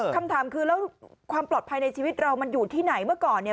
คำถามคือแล้วความปลอดภัยในชีวิตเรามันอยู่ที่ไหนเมื่อก่อนเนี่ย